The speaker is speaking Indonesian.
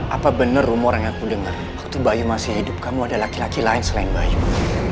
apa benar rumor yang aku dengar waktu bayu masih hidup kamu ada laki laki lain selain bayu